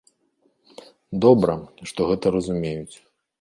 Добра, што гэта зразумеюць.